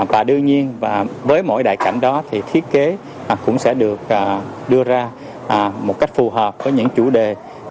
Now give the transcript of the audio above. và đương nhiên và với mỗi đại cảnh đó thì thiết kế cũng sẽ được đưa ra một cách phù hợp với những chủ đề